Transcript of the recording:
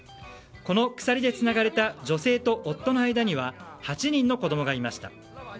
この鎖でつながれた女性と夫の間には８人の子供がいました。